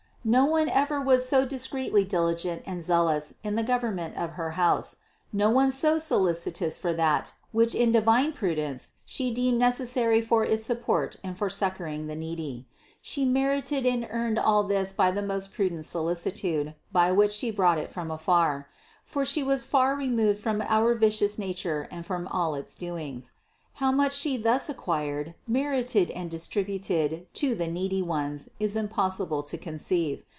No one ever was so discreetly diligent and zealous in the government of her house; no one so solicitous for that, which in divine prudence She deemed necessary for its support and for succoring the needy. She merited and earned all this by the most prudent solicitude, by which She brought it from afar; for She was far removed from our vicious nature and from all its doings. How much She thus acquired, merited and distributed to the needy ones is impossible to conceive.